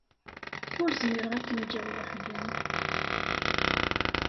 Ur zmireɣ ad kem-ǧǧeɣ weḥd-m.